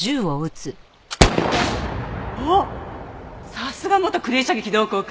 さすが元クレー射撃同好会。